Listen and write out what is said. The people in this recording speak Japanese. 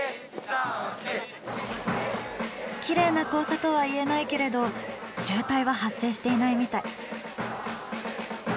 きれいな交差とは言えないけれど渋滞は発生していないみたい。